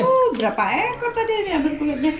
uh berapa ekor tadi nyambar kulitnya